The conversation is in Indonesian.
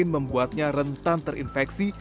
membuatnya rentan terinfeksi